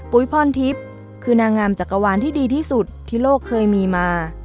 พรทิพย์คือนางงามจักรวาลที่ดีที่สุดที่โลกเคยมีมา